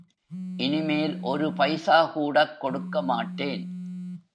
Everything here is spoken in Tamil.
இனிமேல் ஒரு பைசாகூடக் கொடுக்கமாட்டேன்.